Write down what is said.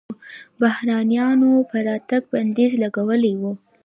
بهرنیانو پر راتګ بندیز لګولی و.